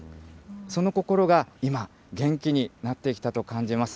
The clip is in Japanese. その心が今、元気になってきたと感じます。